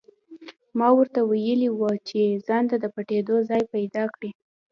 ما ورته ویلي وو چې ځانته د پټېدو ځای پیدا کړي